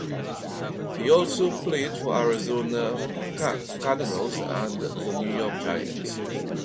He also played for the Arizona Cardinals and the New York Giants.